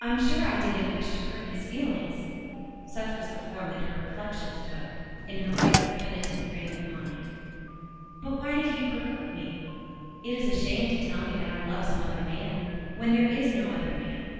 "I'm sure I didn't wish to hurt his feelings" (such was the form that her reflections took, in her present penitent frame of mind); "but why did he provoke me? It is a shame to tell me that I love some other man when there is no other man.